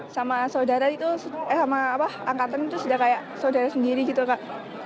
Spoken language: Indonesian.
sama saudara itu sama angkatan itu sudah kayak saudara sendiri gitu kak